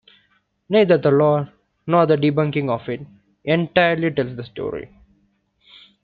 Neither the lore, nor the debunking of it, entirely tells the story.